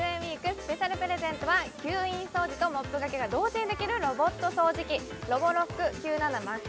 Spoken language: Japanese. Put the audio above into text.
スペシャルプレゼントは吸引掃除とモップがけが同時にできるロボット掃除機ＲｏｂｏｒｏｃｋＱ７